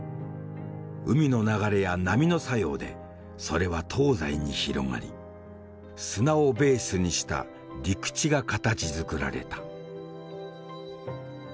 海の流れや波の作用でそれは東西に広がり砂をベースにした陸地が形づくられた。